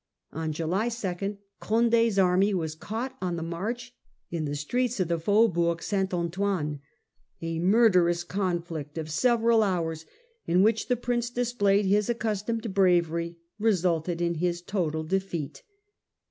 On July 2 Conde's army was caught on the march in the streets Defeat of of the Faubourg St. Antoine. A murderous con Faubou?g he sev eral hours, in which the Prince St. Antoine, displayed his accustomed bravery, resulted in his total defeat.